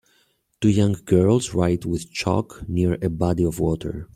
Two young girls write with chalk near a body of water.